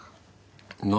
何？